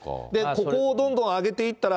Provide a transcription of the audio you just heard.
ここをどんどん上げていったら、